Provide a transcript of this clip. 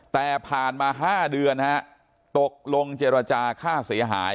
แต่ผ่านมา๕เดือนฮะตกลงเจรจาค่าเสียหาย